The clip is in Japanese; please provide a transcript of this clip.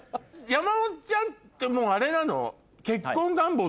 山本ちゃんってもうあれなの？